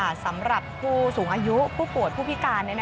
ใช่ค่ะสำหรับผู้สูงอายุผู้ปวดผู้พิการ